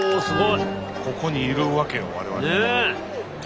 ここにいるわけや我々も。